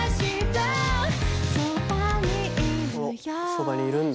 そばにいるんだ。